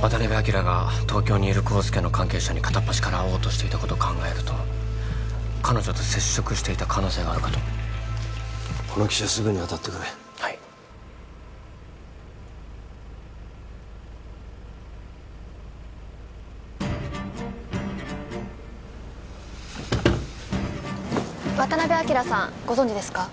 渡辺昭が東京にいる康介の関係者に片っ端から会おうとしていたことを考えると彼女と接触していた可能性があるかとこの記者すぐに当たってくれはい渡辺昭さんご存じですか？